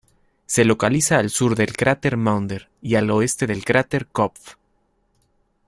Se localiza al sur del cráter Maunder, y al oeste del cráter Kopff.